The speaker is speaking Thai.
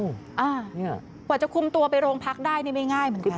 เพราะจะคุมตัวไปโรงพักได้ไม่ง่ายเหมือนกัน